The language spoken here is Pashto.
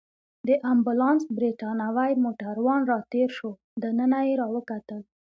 د امبولانس بریتانوی موټروان راتېر شو، دننه يې راوکتل.